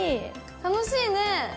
楽しいね！